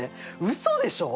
うそでしょ！